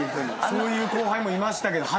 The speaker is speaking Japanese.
そういう後輩もいましたけど。